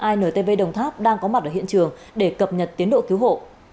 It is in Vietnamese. intv đồng tháp đang có mặt ở hiện trường để cập nhật tiến độ cứu hộ